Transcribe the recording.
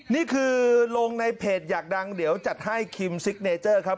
นี่คือลงในเพจอยากดังเดี๋ยวจัดให้คิมซิกเนเจอร์ครับ